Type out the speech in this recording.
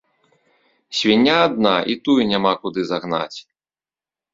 Свіння адна, і тую няма куды загнаць.